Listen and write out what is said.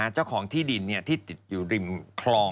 เจ้าของที่ดินที่ติดอยู่ริมคลอง